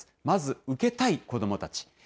まず受けたい子どもたち。